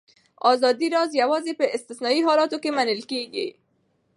اداري راز یوازې په استثنايي حالاتو کې منل کېږي.